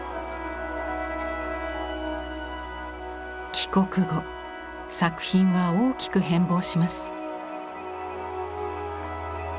帰国後作品は大きく変貌します。